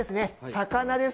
魚です！